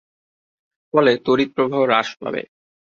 ফলে তড়িৎ প্রবাহ হ্রাস পাবে।